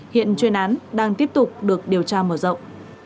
hiện chuyên án đang tiếp tục được điều tra mở rộng